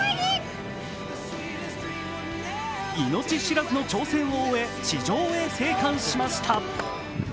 命知らずの挑戦を終え、地上へ生還しました。